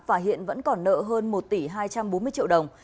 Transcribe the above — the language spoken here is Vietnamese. và hiện vẫn còn nợ hơn một tỷ hai trăm bốn mươi triệu đồng